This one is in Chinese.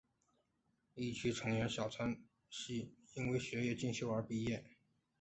一期成员小川纱季因为学业进修而毕业。